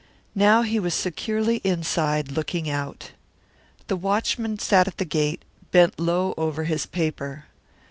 Now he was securely inside looking out. The watchman sat at the gate, bent low over his paper.